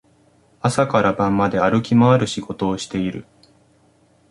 朝から晩まで歩き回る仕事をしている